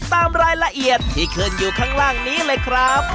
ตามรายละเอียดที่ขึ้นอยู่ข้างล่างนี้เลยครับ